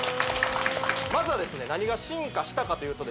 まずはですね何が進化したかというとですね